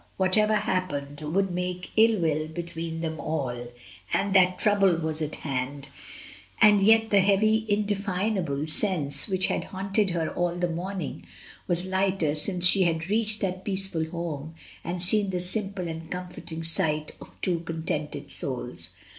whatever happened, would make ill will between them all, and that trouble was at hand; and yet the heavy indefinable sense which had haunted her all the morning was lighter since she had reached that peaceful home and seen the simple and comforting sight of two contented souls.